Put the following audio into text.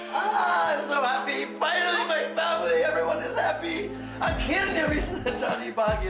kalian berudhian lagi ya